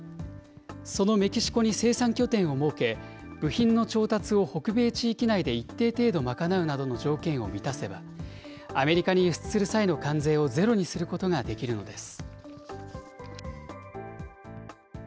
そのメキシコに生産拠点を設け、部品の調達を北米地域内で一定程度賄うなどの条件を満たせば、アメリカに輸出する際の関税をゼロにすることができるのです。